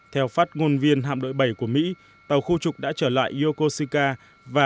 theo phát ngôn viên hạm đội bảy của mỹ tàu khô trục đã trở lại yokosuka